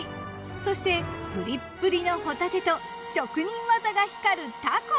そしてプリップリのほたてと職人技が光るたこ。